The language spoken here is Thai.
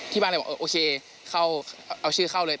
บ้านเลยบอกโอเคเข้าเอาชื่อเข้าเลย